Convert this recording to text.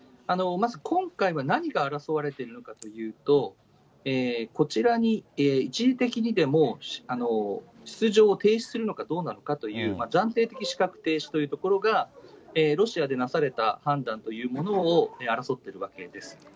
まず今回は何が争われているのかというと、こちらに一時的にでも出場を停止するのかどうなのかという、暫定的資格停止というところが、ロシアでなされた判断というものを争っているわけです。